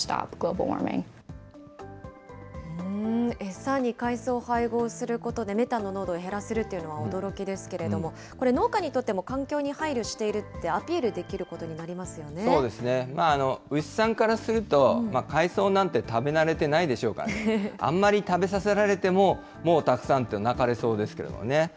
餌に海藻を配合することで、メタンの濃度を減らせるというのは驚きですけれども、これ、農家にとっても環境に配慮しているってアピールできることになりそうですね、牛さんからすると、海藻なんて食べ慣れてないでしょうから、あんまり食べさせられても、もうたくさんとなかれそうですけどね。